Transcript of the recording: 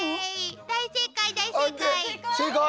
大正解大正解！